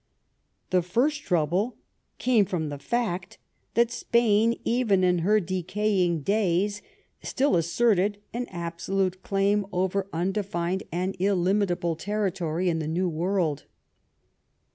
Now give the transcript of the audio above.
The first trouble came from the fact that Spain, even in her decaying days, still asserted an absolute claim over undefined and illimitable territory in the New World.